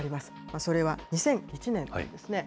それは２００１年なんですね。